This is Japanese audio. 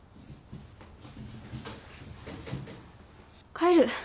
帰る。